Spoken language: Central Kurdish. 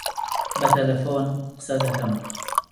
بە تەلەفۆن قسە دەکەم.